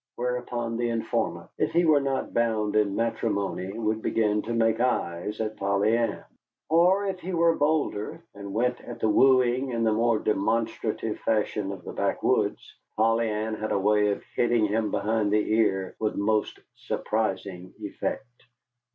Whereupon the informant, if he were not bound in matrimony, would begin to make eyes at Polly Ann. Or, if he were bolder, and went at the wooing in the more demonstrative fashion of the backwoods Polly Ann had a way of hitting him behind the ear with most surprising effect.